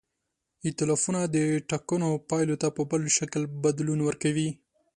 ایتلافونه د ټاکنو پایلو ته په بل شکل بدلون ورکوي.